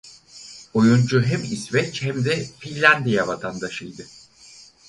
Oyuncu hem İsveç hemde Finlandiya vatandaşıydı.